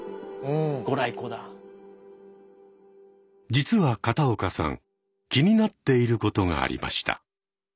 実は片岡さん気になっていることがありました。